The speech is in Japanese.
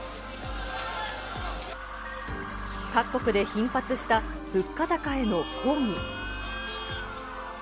各国で頻発した物価高への抗議。